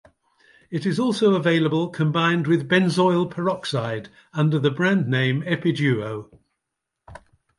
It is also available combined with benzoyl peroxide under the brand name Epiduo.